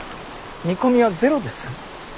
見込みはゼロです。